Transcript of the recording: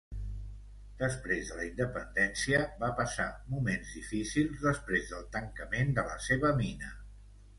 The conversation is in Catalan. Després de la independència va passar moments difícils després del tancament de la seva mina.